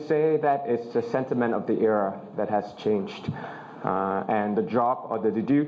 และตอนนี้ฉันเป็นกรรมนั้นหวังว่าฉันจะไม่ได้ทำแบบที่เกิดขึ้น